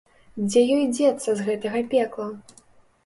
Дзе ёй дзецца з гэтага пекла?